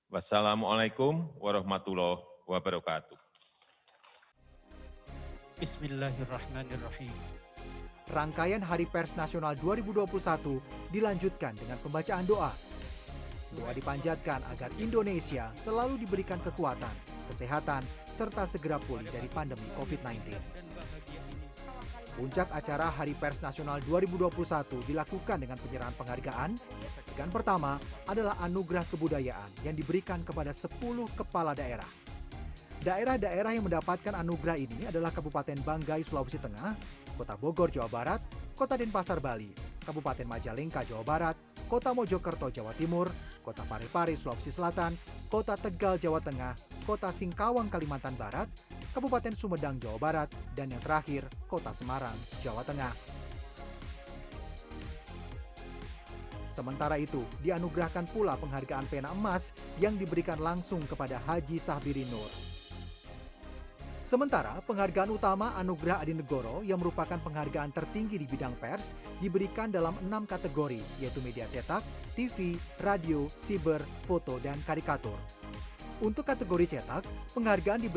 wassalamu'alaikum warahmatullahi wabarakatuh